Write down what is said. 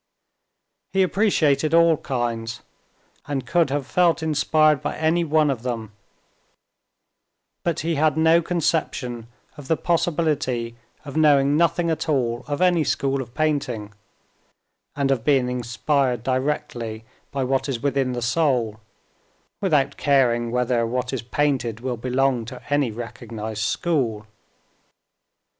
He appreciated all kinds, and could have felt inspired by anyone of them; but he had no conception of the possibility of knowing nothing at all of any school of painting, and of being inspired directly by what is within the soul, without caring whether what is painted will belong to any recognized school.